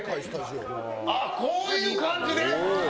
あっ、こういう感じで？